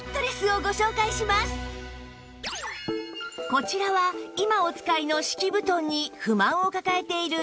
こちらは今お使いの敷き布団に不満を抱えている絵元さん